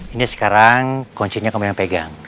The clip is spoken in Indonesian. ini sekarang kuncinya kamu yang pegang